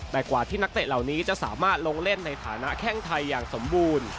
แต่กว่าที่นักเตะเหล่านี้จะสามารถลงเล่นในฐานะแข้งไทยอย่างสมบูรณ์